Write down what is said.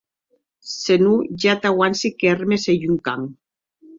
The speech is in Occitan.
Se non, ja t'auanci que Hermes ei un can.